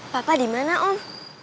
papa dimana om